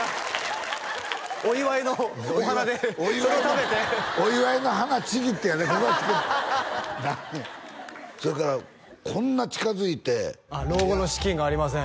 お祝いのお花でそれを食べてお祝いの花ちぎってやでここに付けてそれからこんな近づいてああ「老後の資金がありません！」